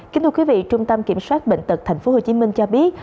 kính thưa quý vị trung tâm kiểm soát bệnh tật tp hcm cho biết